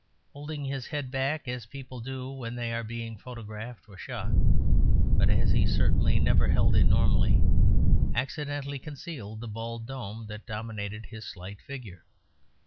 Holding his head back, as people do when they are being photographed (or shot), but as he certainly never held it normally, accidentally concealed the bald dome that dominated his slight figure.